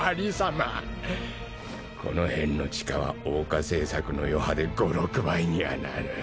この辺の地価は欧化政策の余波で５６倍にはなる。